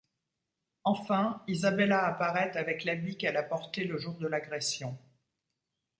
Enfin, Isabella apparaît avec l'habit qu'elle a porté le jour de l'agression.